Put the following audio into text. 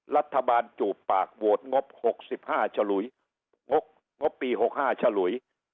รัฐบาลจูบปากโวทย์งบหกสิบห้าฉลุยงบปีหกห้าฉลุย